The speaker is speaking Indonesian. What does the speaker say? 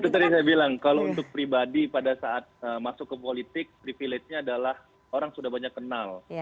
itu tadi saya bilang kalau untuk pribadi pada saat masuk ke politik privilege nya adalah orang sudah banyak kenal